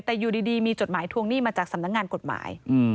แต่อยู่ดีมีจดหมายทวงหนี้มาจากสำนักงานกฎหมาย